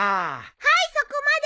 はいそこまで。